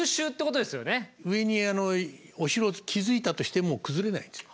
上にお城を築いたとしても崩れないんですよ。